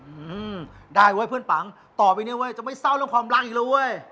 อืมได้เว้ยเพื่อนปังต่อไปเนี้ยเว้ยจะไม่เศร้าเรื่องความรักอีกแล้วเว้ย